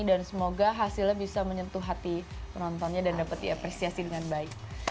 dan semoga hasilnya bisa menyentuh hati penontonnya dan dapat diapresiasi dengan baik